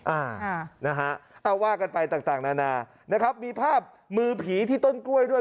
อ่านะฮะเอาว่ากันไปต่างต่างนานานะครับมีภาพมือผีที่ต้นกล้วยด้วย